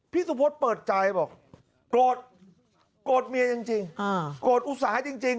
สุพธิ์เปิดใจบอกโกรธโกรธเมียจริงโกรธอุตสาห์จริง